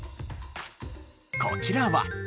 こちらは。